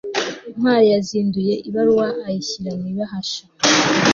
ntwali yazinduye ibaruwa ayishyira mu ibahasha